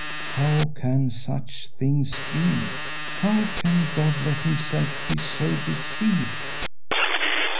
How can such things be? How can God let himself be so deceived?